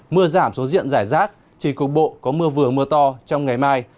mưa giảm số diện giải rác chỉ cục bộ có mưa vừa mưa to trong ngày mai